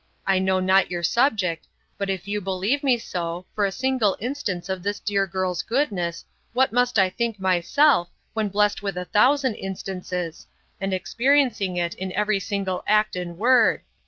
I know not your subject; but if you believe me so, for a single instance of this dear girl's goodness, what must I think myself, when blessed with a thousand instances, and experiencing it in every single act and word!